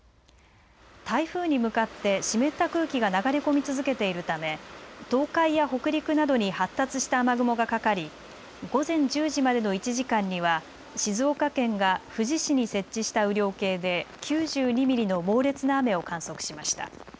台風に向かって湿った空気が流れ込み続けているため東海や北陸などに発達した雨雲がかかり午前１０時までの１時間には静岡県が富士市に設置した雨量計で９２ミリの猛烈な雨を観測しました。